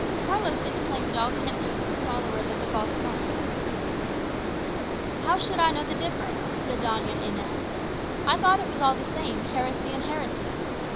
Carlos disclaimed all connection with the followers of the false prophet. "How should I know the difference?" said Doña Inez. "I thought it was all the same, heresy and heresy.